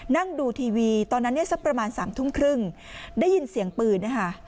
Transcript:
นั่งดูทีวีตอนนั้นเนี่ยสักประมาณ๓ทุ่มครึ่งได้ยินเสียงปืนนะคะ